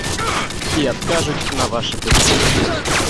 І адкажуць на вашы пытанні!